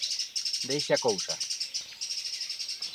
Deixe a cousa.